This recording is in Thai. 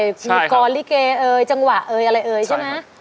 มีกรรมลิเก่จังหวะอะไรใช่ไหม